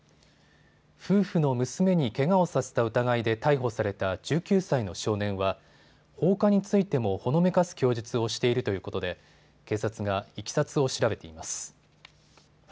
夫婦の娘にけがをさせた疑いで逮捕された１９歳の少年は放火についてもほのめかす供述をしているということで警察がいきさつを調べています。